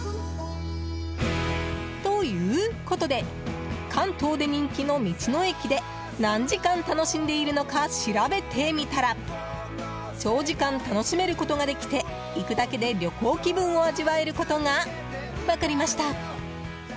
ということで関東で人気の道の駅で何時間楽しんでいるのか調べてみたら長時間楽しめることができて行くだけで、旅行気分を味わえることが分かりました。